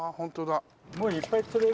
もういっぱい釣れる。